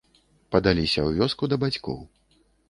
Падаліся ў вёску да бацькоў.